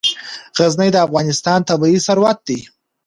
غزني د افغانستان طبعي ثروت دی.